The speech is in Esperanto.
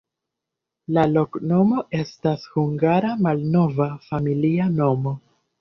La loknomo estas hungara malnova familia nomo.